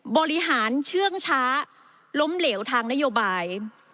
บริหารเชื่องช้าล้มเหลวทางนโยบาย